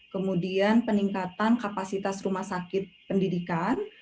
kemudian peningkatan kapasitas rumah sakit pendidikan